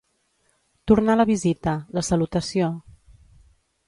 Tornar la visita, la salutació.